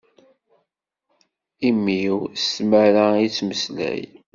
Immi-w s tmara i d-yettmeslay.